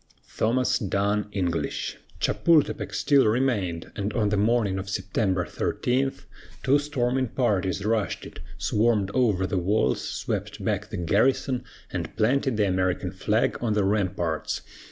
THOMAS DUNN ENGLISH. Chapultepec still remained, and on the morning of September 13 two storming parties rushed it, swarmed over the walls, swept back the garrison, and planted the American flag on the ramparts.